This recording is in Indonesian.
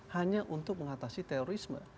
hanya untuk mengatasi terorisme